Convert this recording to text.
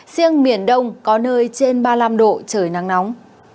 riêng miền đông có nơi trên ba mươi năm độ trời nắng nóng